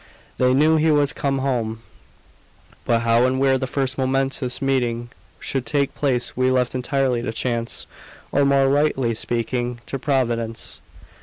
They knew he was come home; but how and where the first momentous meeting should take place we left entirely to chance, or, more rightly speaking, to Providence.